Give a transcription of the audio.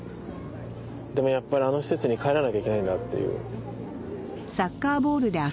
でもやっぱりあの施設に帰らなきゃいけないんだっていう。